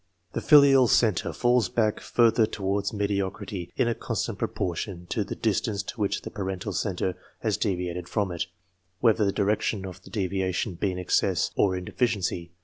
The filial centre falls back further towards mediocrity in a constant proportion to the distance to which the parental centre has deviated from it, whether the direction of the deviation be in excess or in deficiency.